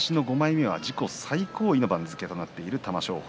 自己最高位の番付となっている玉正鳳。